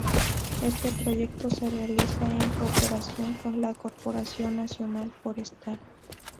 Este proyecto se realiza en cooperación con la Corporación Nacional Forestal.